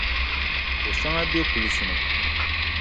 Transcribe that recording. Koʼ shɛŋa be kulisi ni.